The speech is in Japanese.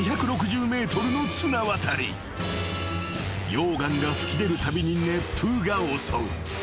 ［溶岩が噴き出るたびに熱風が襲う］